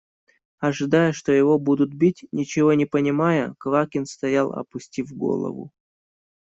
Ожидая, что его будут бить, ничего не понимая, Квакин стоял, опустив голову.